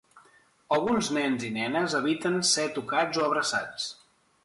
Alguns nens i nenes eviten ser tocats o abraçats.